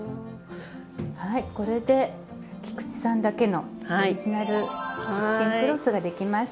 はいこれで菊池さんだけのオリジナルキッチンクロスが出来ました。